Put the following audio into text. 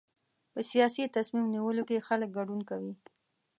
په سیاسي تصمیم نیولو کې خلک ګډون کوي.